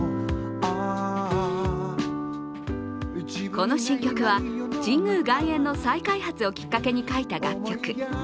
この新曲は、神宮外苑の再開発をきっかけに書いた楽曲。